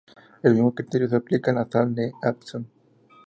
El mismo criterio se aplica a la sal de Epsom.